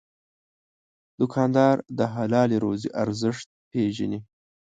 دوکاندار د حلال روزي ارزښت پېژني.